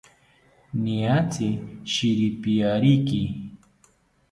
Niatzi shiripiyariki